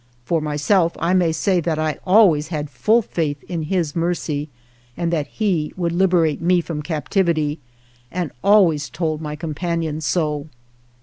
For myself I may say that I always had full faith in His mercy and in that He would liberate me from captivity, and always told my companions so.